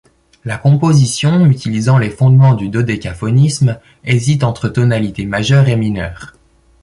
La composition, utilisant les fondements du dodécaphonisme, hésite entre tonalité majeure et mineure.